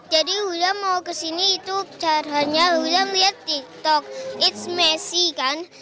jadi hulam mau ke sini itu caranya hulam lihat tiktok it s messy kan